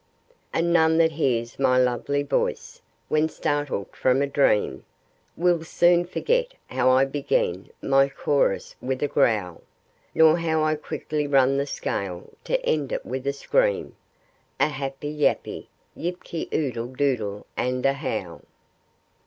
And none that hears my lovely voice, when startled from a dream, Will soon forget how I begin my chorus with a growl; Nor how I quickly run the scale, to end it with a scream, A happy, yappy yip ky, oodle doodle, and a howl.